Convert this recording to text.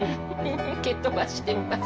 蹴飛ばしてみます。